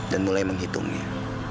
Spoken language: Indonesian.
dan mulai menghitungnya